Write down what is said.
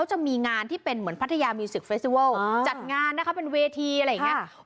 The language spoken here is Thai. จะมีงานที่เป็นเหมือนพัทยามิวศึกเฟสติเวิลจัดงานนะคะเป็นเวทีอะไรอย่างนี้